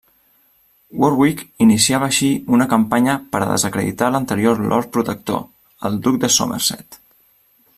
Warwick iniciava així una campanya per a desacreditar l'anterior Lord Protector, el duc de Somerset.